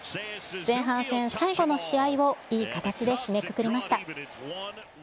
前半戦最後の試合をいい形で締めくくりました。